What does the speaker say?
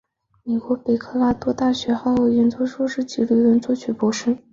美国北科罗拉多大学小号演奏硕士及理论作曲博士。